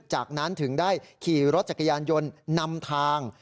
จากนั้นถึงได้ขี่รถจักรยานยนต์นำทาง